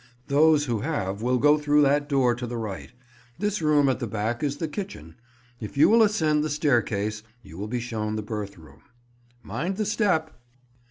Those who have will go through that door to the right. This room at the back is the kitchen. If you will ascend the staircase, you will be shown the birth room. Mind the step."